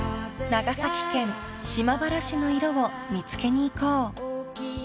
［長崎県島原市の色を見つけに行こう］